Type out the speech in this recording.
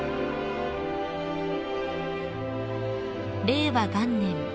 ［令和元年